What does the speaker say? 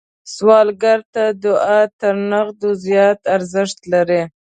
سوالګر ته دعا تر نغدو زیات ارزښت لري